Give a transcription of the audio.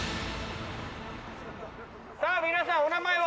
皆さんお名前は？